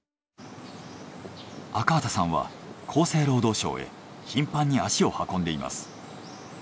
赤畑さんは厚生労働省へ頻繁に足を運んでいます。